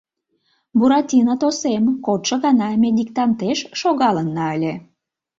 — Буратино, тосем, кодшо гана ме диктантеш шогалынна ыле.